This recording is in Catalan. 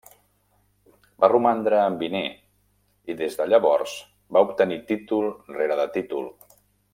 Va romandre amb Viner i des de llavors va obtenir títol rere de títol.